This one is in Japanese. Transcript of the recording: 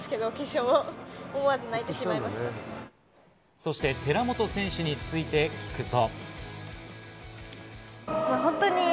そして寺本選手について聞くと。